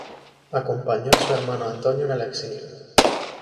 Acompañó a su hermano Antonio en el exilio.